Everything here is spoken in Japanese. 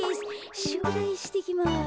しゅくだいしてきます。